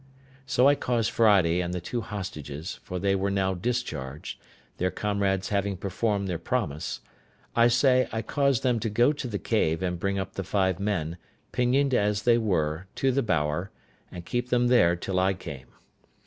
So I caused Friday and the two hostages, for they were now discharged, their comrades having performed their promise; I say, I caused them to go to the cave, and bring up the five men, pinioned as they were, to the bower, and keep them there till I came.